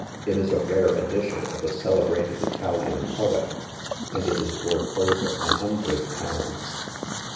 It is a rare edition of a celebrated Italian poet, and ,it is worth over a hundred pounds."